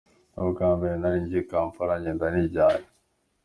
Ni ubwa mbere nari ngiye i Kampala, ngenda nijyanye.